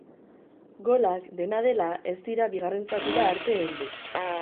Golak, dena dela, ez dira bigarren zatira arte heldu.